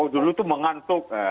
dulu tuh mengantuk